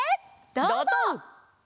どうぞ！